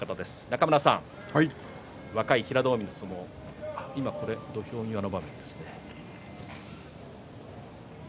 中村さん、若い平戸海の相撲土俵際の場面です。